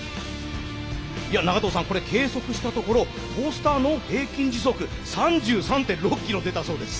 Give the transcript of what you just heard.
長藤さんこれ計測したところトースターの平均時速３３．６キロ出たそうです。